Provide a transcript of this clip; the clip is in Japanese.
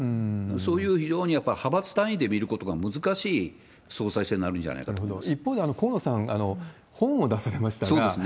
そういう非常にやっぱり派閥単位で見ることが難しい総裁選になる一方で、河野さん、本を出さそうですね。